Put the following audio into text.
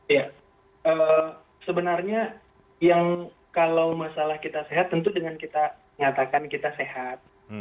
ya sebenarnya yang kalau masalah kita sehat tentu dengan kita nyatakan kita sehat